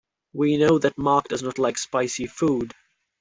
We know that Mark does not like spicy food.